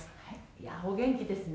いやあお元気ですね。